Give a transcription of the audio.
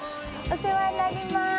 お世話になります。